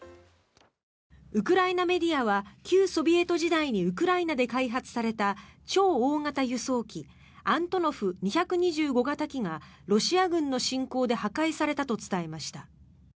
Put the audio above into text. ウクライナメディアは旧ソビエト時代にウクライナで開発された超大型輸送機アントノフ２２５型機がロシア軍の侵攻で破壊されたと伝えました。